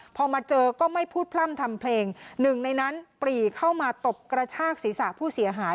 พอมาเจอก็ไม่พูดพร่ำทำเพลงหนึ่งในนั้นปรีเข้ามาตบกระชากศีรษะผู้เสียหาย